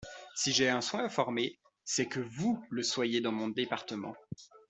Si j'ai un souhait à former, c'est que vous le soyez dans mon département.